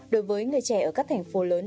đối với người trẻ ở các thành phố lớn